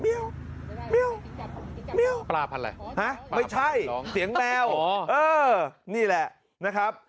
เมียวพราพลันอะไรห้ะไม่ใช่ลองลองเสียงแมวอ๋อนี่แหละนะครับ